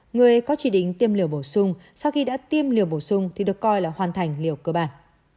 người có chỉ định tiêm liều bổ sung sau khi đã tiêm liều bổ sung thì được coi là hoàn thành liều cơ bản